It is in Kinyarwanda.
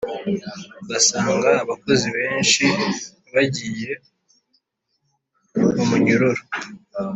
ugasanga abakozi benshi bagiye mu munyururu.